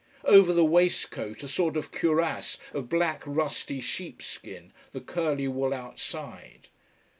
Over the waistcoat a sort of cuirass of black, rusty sheepskin, the curly wool outside.